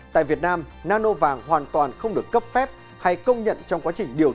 tại việt nam nano vàng hoàn toàn không được cấp phép hay công nhận trong quá trình điều